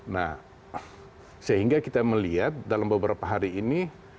nah sehingga kita melihat dalam beberapa hari ini